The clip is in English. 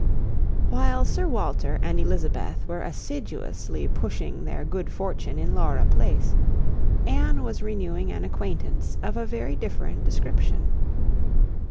While Sir Walter and Elizabeth were assiduously pushing their good fortune in Laura Place, Anne was renewing an acquaintance of a very different description.